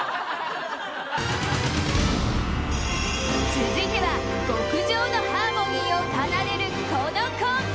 続いては極上のハーモニーを奏でるこのコンビ！